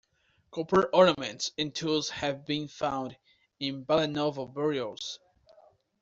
Copper ornaments and tools have been found in Balanovo burials.